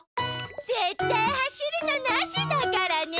ぜったいはしるのなしだからね！